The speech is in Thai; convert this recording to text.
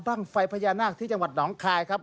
ไฟพญานาคที่จังหวัดหนองคายครับ